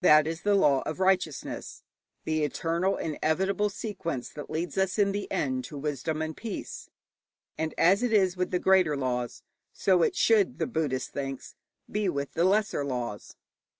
That is the law of righteousness, the eternal inevitable sequence that leads us in the end to wisdom and peace. And as it is with the greater laws, so it should, the Buddhist thinks, be with the lesser laws.